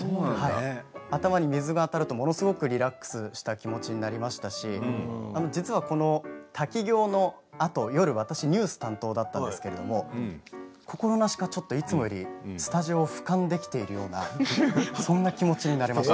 頭に水が当たると、ものすごくリラックスした気持ちになりましたし実はこの滝行のあと夜私はニュース担当だったんですけれど心なしか、いつもよりスタジオをふかんできているようなそんな気持ちになりました。